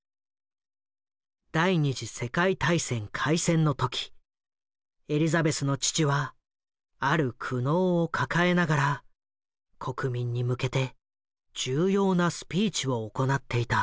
第二次世界大戦開戦の時エリザベスの父はある苦悩を抱えながら国民に向けて重要なスピーチを行っていた。